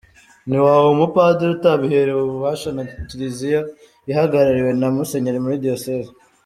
Ntiwaba umupadiri utabiherewe ububasha na Kiliziya ihagarariwe na Musenyeri muri diyoseze.